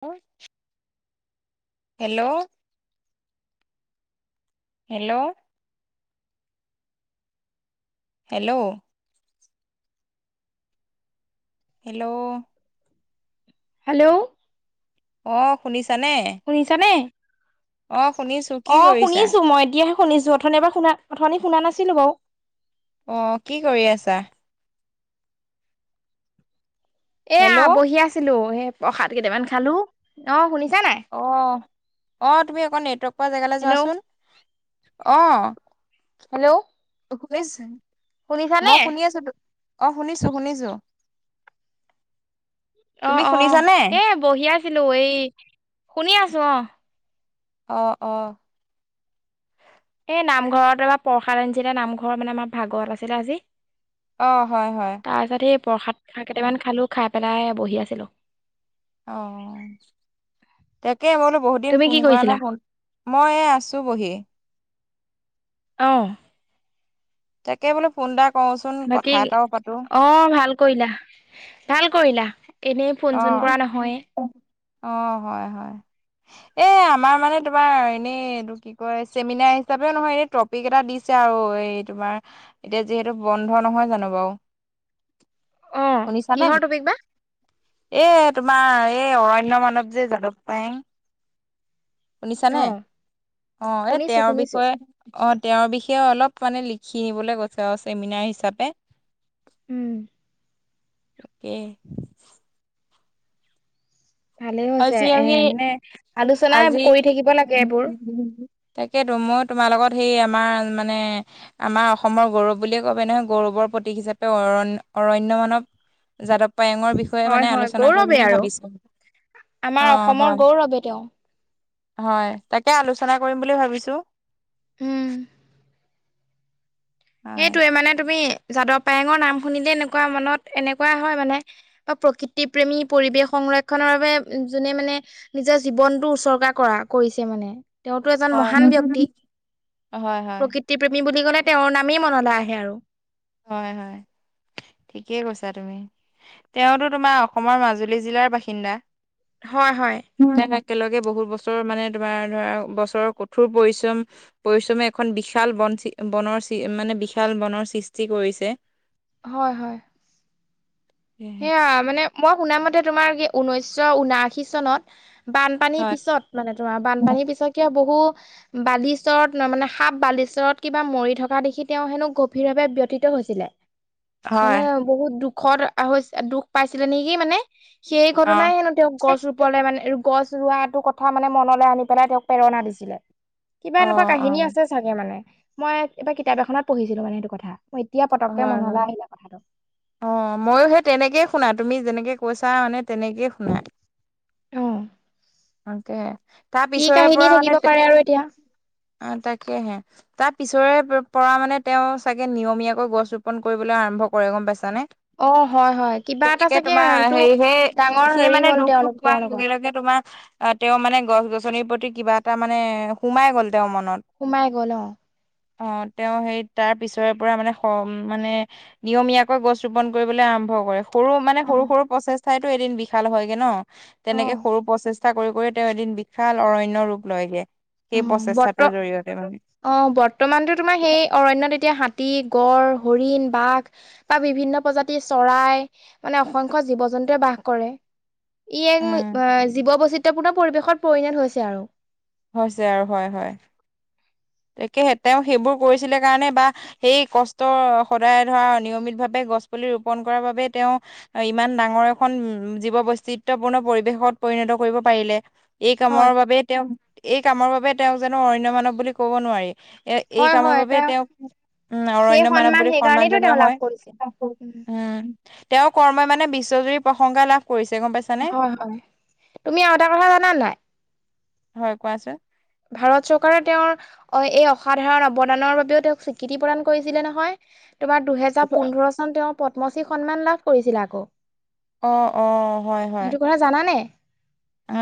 অ। Hello? Hello? Hello? Hello? Hello? অ শুনিছানে? শুনিছানে? অ শুনিছোঁ। অ শুনিছো মই এতিয়াহে শুনিছো, অথনি এবাৰ শুনা অথনি শুনা নাছিলো বাৰু। অ কি কৰি আছা? এয়া হেল্ল' বহি আছিলো এই প্ৰসাদ কেইটামান খালো, অ শুনিছা নাই? অহ, অ তুমি আকৌ নেটৱৰ্ক পোৱা জেগালৈ হেল্ল' যোৱাচোন, অ হেল্ল' শুনিছ, শুনিছানে? মই শুনি আছোতো। অ শুনিছো শুনিছো, অ তুমি অ শুনিছানে? এ বহি আছিলো এই, শুনি আছো অ। অ অ। এই নামঘৰত বাৰ প্ৰসাদ আনিছিলে নামঘৰ মানে আমাৰ ভাগৱত আছিলে আজি। অ হয় হয়। তাৰ যদি প্ৰসাদ খাই কেইটামান খালোঁ খাই পেলাই বহি আছিলোঁ। অ, তাকে মই বলো বহুত দিন তুমি কি ফোন কৰা কৰিছিলা? নাই ফোন, মই আছো বহি। অঁ। তাকে বোলো ফোন এটা কওঁচোন বাকী কথা এটাও পাতো। অ ভাল কৰিলা, ভাল কৰিলা এনেই ফোন - চোন কৰা অ' নহয়? অ হয় হয়, এ আমাৰ মানে তোমাৰ এনেই কি কয় চেমিনাৰ হিচাপেও নহয় এনে টপিক এটা দিছে আৰু এই তোমাৰ এতিয়া যিহেতু বন্ধ নহয় জানো বাৰু? অ শুনিছানে কিহৰ টপিক বা? এ তোমাৰ এই অৰণ্য মানৱ যে জাদৱ পায়েং। শুনিছানে? অ', অ এ শুনিছো তেওঁৰ শুনিছো বিষয়ে অ তেওঁৰ বিষয়ে অলপ মানে লিখি নিবলৈ কৈছে আৰু চেমিনাৰ হিচাপে। ওম। তাকে। ভালেই অ হৈছে যি এ আমি, মানে আলোচনা আজি কৰি থাকিব লাগে এইবোৰ। তাকেতো, মই তোমাৰ লগত সেই আমাৰ মানে আমাৰ অসমৰ গৌৰৱ বুলিয়ে কব নহয় গৌৰৱৰ প্ৰতীক হিচাপে অৰণ - অৰণ্য মানৱ যাদৱ পায়ঙৰ বিষয়ে হয় মানে হয় আলোচনা কৰিম গৌৰৱে বুলি আৰু। ভাবিছো? আমাৰ অঁ অসমৰ হয় গৌৰৱে তেওঁ। হয় তাকে আলোচনা কৰিম বুলি ভাবিছোঁ। উম, হয় সেইটোৱে মানে তুমি যাদৱ পায়েঙৰ নাম শুনিলে এনেকুৱা মনত এনেকুৱা হয় মানে বা প্ৰকৃতি প্ৰেমী পৰিৱেশ সংৰক্ষনৰ বাবে যোনে মানে নিজৰ জীৱনটো উচৰ্গা কৰা, কৰিছে মানে। তেওঁতো এজন হয় মহান ব্যক্তি, হয় হয় প্ৰকৃ তিপ্ৰেমী বুলি ক'লে তেওঁৰ নামেই মনলৈ আহে আৰু। হয় হয়। ঠিকেই কৈছা তুমি, তেওঁতো তোমাৰ অসমৰ মাজুলী জিলাৰ বাসিন্দা হয় হয়। ইয়াক একেলগে বহুত বছৰৰ মানে তোমাৰ ধৰা বছৰৰ কঠোৰ পৰিশ্ৰম পৰিশ্ৰমে এখন বিশাল বন বনৰ মানে বিশাল বনৰ সৃষ্টি কৰিছে। হয়-হয়। সেয়েহে। সেইয়া মানে মই শুনা মতে তোমাৰ কি ঊনৈশ ঊনাশী চনত বানপানীৰ হয় পিছত মানে তোমাৰ বানপানীৰ পিছত কিয় বহু বালিচৰত ন মানে সাপ বালিচৰত কিবা মৰি থকা দেখি, তেওঁ হেনো গভীৰভাৱে ব্যথিত হৈছিলে। [inaudible] মানে বহুত দুখত হৈ, দুখ পাইছিলে নেকি মানে? সেই অ ঘটনাই হেনো তেওঁক গছ ৰুবলে মানে গছ ৰোৱাটো কথা মানে মনলৈ আনি পেলাই তেওঁক প্ৰেৰণা দিছিলে। কিবা অ এনেকুৱা কাহিনী আছে চাগে মানে, মই এইবাৰ কিতাপ এখনত পঢ়িছিলোঁ মানে সেইটো কথা, মই এতিয়া অ পতককে হয় মনলে হয় আহিলে কথাটো। অ, মইয়ো সেই তেনেকেই শুনা, তুমি যেনেকে কৈছা মানে তেনেকেই শুনা। অ' তাকে, তাৰ কি পিছৰে কাহিনী পৰা মানে থাকিব পাৰে আৰু এতিয়া। অ, তাকেহে তাৰ পিছৰে পৰা মানে তেওঁ চাগে নিয়মীয়াকৈ গছ ৰোপন কৰিবলৈ আৰম্ভ কৰে গম পাইছানে। অ হয় হয় কিবা এটা তেনেকে চাগে তোমাৰ তো হেৰি সেই, ডাঙৰ সি হেৰি মানে হ'ল দুখটো তেওঁলোক পোৱাৰ তেওঁৰ লগত লগে-লগে তোমাৰ অ, তেওঁ মানে গছ-গছনিৰ প্ৰতি কিবা এটা মানে সোমাই গ'ল তেওঁৰ মনত। সোমাই গ'ল অ। অ, তেওঁ সেই তাৰ পিছৰে পৰা মানে হ মানে নিয়মীয়াকৈ গছ ৰোপন কৰিবলৈ আৰম্ভ কৰে। সৰু মানে অ সৰু-সৰু প্ৰচেষ্টাইটো এদিন বিশাল হয়গে ন। অ তেনেকে সৰু প্ৰচেষ্টা চেষ্টা কৰি-কৰি তেওঁ এদিন বিশাল অৰণ্য ৰূপ লয়গে, অ সেই বৰ্ত প্ৰচেষ্টাটোৰ জৰিয়তে মানে। অ, বৰ্তমানতো তোমাৰ সেই অৰণ্যত এতিয়া হাতী, গড়, হৰিণ, বাঘ বা বিভিন্ন প্ৰজাতিৰ চৰাই মানে অসংখ্য জীৱ জন্তুৱে বাস কৰে। ই এক উম জীৱ বৈচিত্ৰয়পূৰ্ণ পৰিৱেশত পৰিণত হৈছে আৰু। হৈছে আৰু হয়-হয়। তাকেহে, তেওঁ সেইবোৰ কৰিছিলে কাৰণে বা সেই কষ্ট সদায় ধৰা নিয়মিত ভাৱে গছ পুলি ৰোপন কৰাৰ বাবে তেওঁ ইমান ডাঙৰ এখন উম' জীৱ বৈচিত্ৰয়পূৰ্ণ পৰিৱেশত পৰিণত কৰিব পাৰিলে। এই হয় কামৰ বাবেই তেওঁক, এই কামৰ বাবে তেওঁক জানো অৰণ্য মানৱ বুলি ক'ব নোৱাৰি। এ এই হয় কামৰ হয় বাবে এটা তেওঁক উম' সেই অৰণ্য মানৱ সন্মান বুলি সন্মান সেইকাৰণেইতো জনোৱা তেওঁ লাভ হয়। কৰিছে উম'। তেওঁ কৰ্মই মানে বিশ্বজুৰি প্ৰশংসা লাভ কৰিছে, গম পাইছানে। হয়-হয়। তুমি আৰু এটা কথা জানা নাই? হয় কোৱাচোন? ভাৰত চৰকাৰে তেওঁৰ এই অসাধাৰণ অৱদানৰ বাবেও তেওঁক স্বীকৃতি প্ৰদান কৰিছিলে নহয়। তোমাৰ দুহেজাৰ পোন্ধৰ চন তেওঁৰ পদ্মশ্ৰী সন্মান লাভ কৰিছিল আকৌ। অ-অ, হয়-হয়। সেইটো কথা জানানে? অ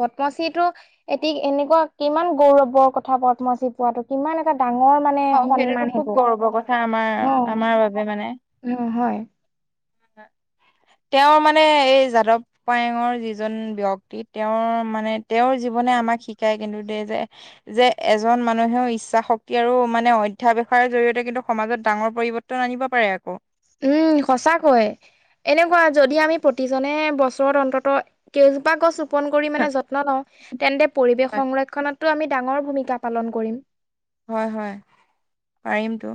পদ্মশ্ৰী টো এটি এনেকুৱা কিমান গৌৰৱৰ কথা পদ্মশ্ৰী পোৱাটো, কিমান এটা ডাঙৰ মানে অ, সন্মান সেইটোতো খুব সেইটো। গৌৰৱৰ কথা অ'। আমাৰ-আমাৰ বাবে মানে। উম' হয়। তেওঁৰ মানে এই যাদৱ পায়ঙৰ যিজন ব্যক্তি, তেওঁৰ মানে তেওঁৰ জীৱনে আমাক শিকায় কিন্তু দে যে। যে এজন মানুহেও ইচ্ছা শক্তি আৰু মানে অধ্যায়ৰ জৰিয়তে কিন্তু সমাজত ডাঙৰ পৰিৱৰ্তন আনিব পাৰে আকৌ। উম' সঁচাকৈয়ে। এনেকুৱা যদি আমি প্ৰতিজনে বছৰত অন্তত কেইজোপা গছ পন কৰি মানে যত্ন লওঁ তেন্তে পৰিৱেশ সংৰক্ষনতটো আমি ডাঙৰ ভূমিকা পালন কৰিম। হয় হয় পাৰিমতটো।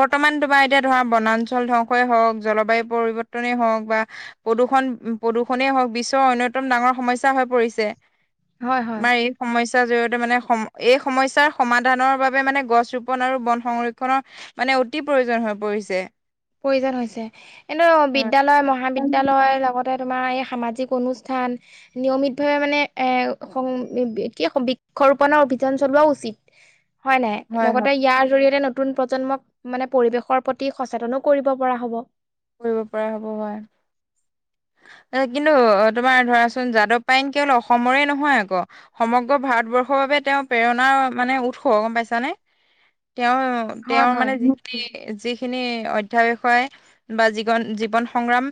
বৰ্তমান তোমাৰ এতিয়া ধৰা বনাঞ্চল ধ্বংসই হওক জলবায়ু পৰিৱৰ্তনে হওক বা প্ৰদূৰষণ প্ৰদূৰষণেই হওক বিশ্বৰ অন্যতম ডাঙৰ সমস্যয়া হৈ পৰিছে। হয় হয়। আমাৰ এই সমস্যাৰ জৰিয়তে মানে সম এই সমস্যাৰ সমাধান ধানৰ বাবে মানে গছ ৰোপন আৰু বন সংৰক্ষণনৰ মানে অতি প্ৰয়োজন হৈ পৰিছে। প্ৰয়োজন হৈছে এনে হয়, বিদ্যালয় মহাবিদ্যয়ালয় লগত তোমাৰ এই সামাজিক অনুষ্ঠান নিয়মিত ভাৱে মানে এ সং কি বৃক্ষৰোপণৰ অভিযান চলোৱা উচিত। [unintelligible] হয় নাই? হয়, হয়, লগতে ইয়াৰ জৰিয়তে নতুন প্ৰজন্মক মানে পৰিৱেশৰ প্ৰতি সচেতন কৰিব পৰা হ'ব। কৰিব পৰা হ'ব হয়। কিন্তু তোমাৰ ধৰাচোন যাদৱ পাইন কেৱল অসমৰে নহয় আক- সমগ্ৰ ভাৰতবৰ্ষৰ বাবে তেওঁ প্ৰেৰণানৰ মানে উৎস গম পাইছানে? তেওঁ হয় তেওঁৰ হয় মানে যিখিনি যিখিনি অধ্যা বিষয় বা জীৱন জীৱন সংগ্ৰাম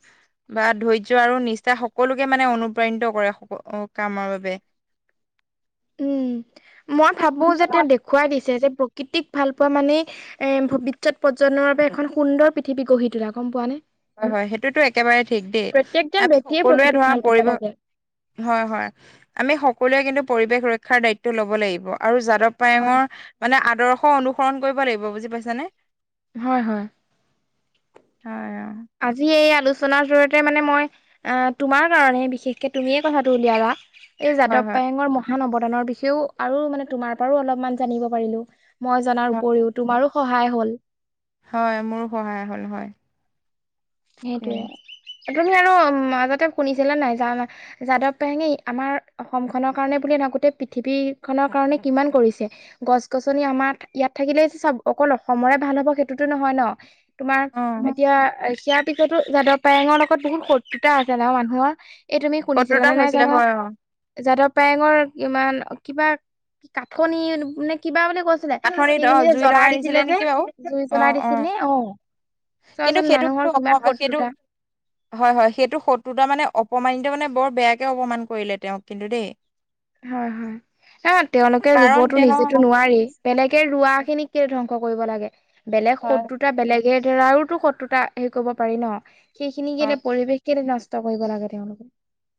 বা ধৈৰ্য আৰু নিষ্ঠা সকলোকে মানে অনুপ্ৰাণিত কৰে কামৰ বাবে। [inaudible] উম মই ভাবো যে তেওঁ দেখুৱাই দিছে যে প্ৰকৃতিক ভাল পোৱা মানেই এ ভৱিষ্যত পৰজন্নৰ বাবে এখন সুন্দৰ পৃথিৱী গঢ়ি তোলা গম পোৱা নে? হয় হয় সেইটোতো একেবাৰে ঠিক দেই। প্ৰত্যেকজন আমি ব্যক্তিয়ে সকলোৱে প্ৰকৃতিক ধৰা ভাল পাব পৰিব লাগে হয় হয় আমি সকলোৱে কিন্তু পৰিৱেশ ৰক্ষাৰ দায়িত্ব লব লাগিব আৰু যাদৱ হয় পায়ঙৰ মানে আদৰ্শ অনুসৰণ কৰিব লাগিব বুজি পাইছানে? হয় হয়। হয় অঁ। আজি এই আলোচনাৰ জৰিয়তে মানে মই আহ তোমাৰ কাৰণে বিশেষকে তুমিয়ে কথাটো উলিয়ালা। এই হয় যাদৱ হয় পায়েঙৰ মহান অৱদানৰ বিষয়েও আৰু মানে তোমাৰ পৰাও অলপমান জানিব পাৰিলো। মই জনাৰ হয় উপৰিও তোমাৰো সহায় হ'ল। হয় মোৰো সহায় হ'ল হয়। সেয়ে সেইটোয়ে, এই তুমি আৰু মাজতে শুনিছিলা নাই জানা যাদৱ পায়েঙে আমাৰ অসম খনৰ কাৰনে বুলে ভাবোতে পৃথিৱী খনৰ কাৰনে কিমান কৰিছে। গছ গছনি আমাৰ ইয়াত থাকিলেই চব অকল অসমৰে ভাল হব সেইটোতো নহয় ন! তোমাৰ অ এতিয়া সেয়াৰ পিছতো যাদৱ পায়ঙৰ লগত বহুত শত্ৰুতা আছে ন মানুহৰ। এই তুমি শত্ৰুতা শুনিছিলা নে নাই হৈছিলে জানো? হয় অ যাদৱ পায়েঙৰ ইমান কিবা কাঠনি নে কিবা বুলি কৈছি কাঠনিত অ সেইখিনি যে জুই লগাই জ্বলাই দিছিলে যে, নেকি বাৰু জুই অ জ্বলাই অ দিছিলে অঁ। কিন্তু সেইটো কিটো অক সেইটো। শত্ৰুতা [unintelligible] হয় হয় সেইটো শত্ৰুতা মানে অপমানিত মানে বৰ বেয়াকে অপমান কৰিলে তেওঁক কিন্তু দেই? হয় হয়। এ তেওঁলোকে কাৰণ ৰুবতো তেওঁ নিজেতো নোৱাৰেই বেলেগে ৰোৱা খিনিক কেলে ধ্বংস কৰিব লাগে বেলেগ হয় শত্ৰুত বেলেগে ধৰা আৰুতো শত্ৰুতা হেৰি কৰিব পাৰি ন, সেইখিনি হয় কেনে পৰিৱেশ কেলে নষ্ট কৰিব লাগে তেওঁলোক?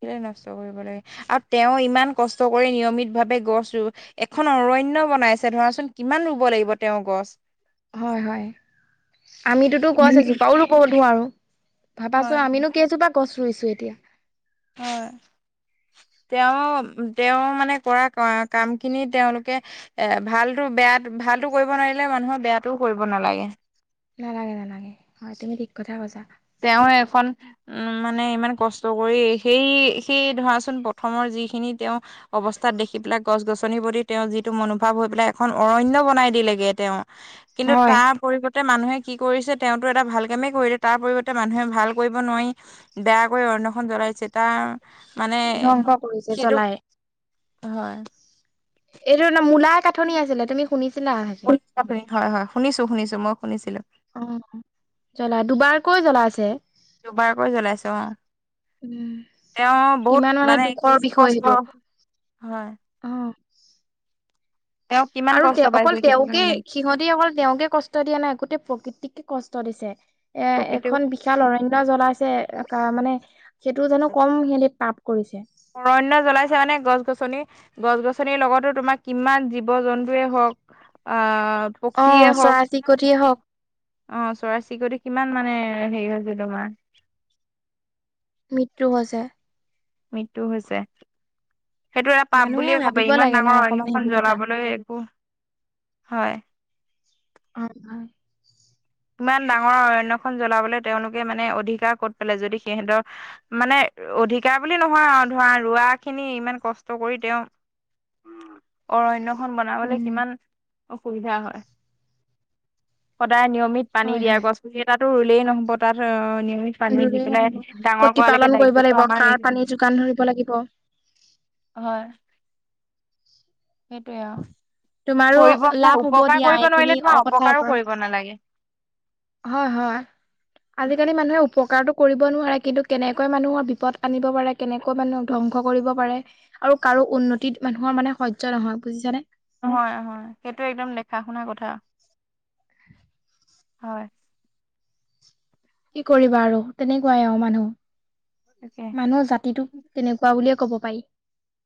কেলে নষ্ট কৰিব লাগে। আৰু তেওঁ ইমান কষ্ট কৰি নিয়মিতভাৱে গছ ৰু এখন অৰণ্য বনাইছে ধৰাচোন কিমান ৰুব লাগিব তেওঁ গছ? হয় হয়। আমিতোতো গছ এজোপাও ৰুব নোৱাৰোঁ। ভাবাছো হয় আমিনো কেইজোপা গছ ৰুইছো এতিয়া। হয়। তেওঁ তেওঁ মানে কৰা কাম খিনি তেওঁলোকে এ ভালটো বেয়া ভালটো কৰিব নোৱাৰিলে মানুহৰ বেয়াটোও কৰিব নালাগে। নালাগে নালাগে হয় তুমি ঠিক কথা কৈছা। তেওঁ এখন উম মানে ইমান কষ্ট কৰি সেই সেই ধৰাচোন প্ৰথমৰ যিখিনি তেওঁ অৱস্থাত দেখি পেলাই গছ গছনিৰ প্ৰতি তেওঁ যিটো মনোভাৱ হৈ পেলাই এখন অৰণ্য বনাই দিলেগে তেওঁ। কিন্তু হয় তাৰ পৰিৱৰ্তে মানুহে কি কৰিছে? তেওঁটো এটা ভাল কামে কৰিলে তাৰ পৰিৱৰ্ত- ত মানুহে ভাল কৰিব নোৱাৰি বেয়া কৰি অৰণ্যখন জ্বলাই দিছে। তাৰ মানে ধ্বংস কৰিছে সেইটো জ্বলাই। হয়। এইটো ন মূলাই কাঠনি আছিলে তুমি শুনিছিলা ছাগে। বাপৰে হয় হয় শুনিছো শুনিছো মই শুনিছিলো। অ জ্বলা দুবাৰকৈ জ্বলাইছে। দুবাৰকৈ জ্বলাইছে অ। উম, তেওঁ বহুত কিমান মানে দুখৰ কিমান বিষয় সেইটো, কষ্ট হয় অ। তেওঁ কিমান আৰু কষ্ট অকল পাইছে সেইটো তেওঁকে কাৰণে সিহঁতি অকল তেওঁকে, কষ্ট দিয়া নাই গোটেই প্ৰকৃতিকে কষ্ট দিছে। এ, প্ৰকৃতিও এখন বিশাল অৰণ্য জ্বলাইছে। অ মানে সেইটো জানো কম সিহঁতি পাপ কৰিছে। অৰণ্য জ্বলাইছে মানে গছ-গছনি গছ-গছনিৰ লগতো তোমাৰ কিমান জীৱ জন্তুৱে হওক, আব- অ পক্ষীয়ে হওক। চৰাই চিৰিকটিয়ে হওক অ চৰাই-চিৰিকটি কিমান মানে হেৰি হৈছে তোমাৰ। মৃত্যু হৈছে। মৃত্যু হৈছে। সেইটো এটা পাপ মানুহে বুলিয়ে কব ভাবিব পাৰি ইমান লাগে ন ডাঙৰ অকমান অৰণ্যখন সেইবোৰ কথা। জ্বলাবলৈ একো হয়। অ হয়। ইমান ডাঙৰ অৰণ্যখন জ্বলাবলৈ তেওঁলোকে মানে অধিকাৰ ক'ত পেলাই যদি সিহেঁতৰ মানে, অধিকাৰ বুলি নহয় আও ধৰা ৰোৱা খিনি ইমান কষ্ট কৰি তেওঁ অৰণ্য খন বনাবলৈ উম কিমান অসুবিধা হয় সদায় নিয়মিত পানী হয় দিয়া, হয় গছ পুলি এটাতো ৰুলেই নহ'ব তাত নিয়মিত পানী দি দূৰেই নহব পেলাই ডাঙৰ কৰা লেকে দায়িত্বটো আমাৰেই। আন ধৰিব লাগিব। হয়। সেইটোৱে আও। তোমাৰো লাভ হ'ব দিয়া। নোৱাৰিলে এইখিনি তোমাৰ অ কথা অপকাৰো পৰ কৰিব নালাগে হয় হয়। আজিকালি মানুহে উপকাৰটো কৰিব নোৱাৰে। কিন্তু কেনেকৈ মানুহৰ বিপদ আনিব পাৰে কেনেকৈ মানে ধ্বংস কৰিব পাৰে? আৰু কাৰো উন্নতিত মানুহৰ মানে সয্য নহয় বুজিছানে? নহয়‌‌ অ সেইটো একদম দেখা শুনা কথা। হয়। কি কৰিবা আৰু তেনেকুৱাই অ মানুহ। তাকে মানুহৰ জাতিটোক তেনেকুৱা বুলিয়ে ক'ব পায়ি।